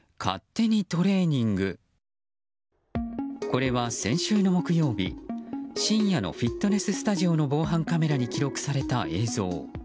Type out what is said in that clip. これは、先週の木曜日深夜のフィットネススタジオの防犯カメラに記録された映像。